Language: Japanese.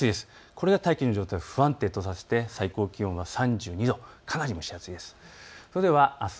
これが大気の状態を不安定とさせて最高気温は３２度、かなり蒸し暑いです。